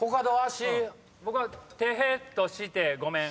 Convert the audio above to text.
「し」「てへっとしてごめん」